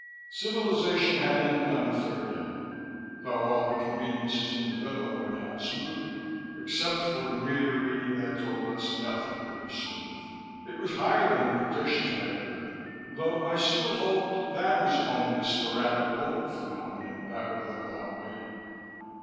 Civilization had ended on the third day, though all the conveniences in the villa went on smoothly, except for the meter reading that told us nothing could be smooth. It was higher than the predictions I had heard, though I still hoped that was only a sporadic local phenomenon that would level out later.